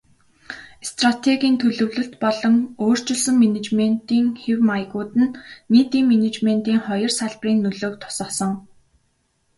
Стратегийн төлөвлөлт болон өөрчилсөн менежментийн хэв маягууд нь нийтийн менежментийн хоёр салбарын нөлөөг тусгасан.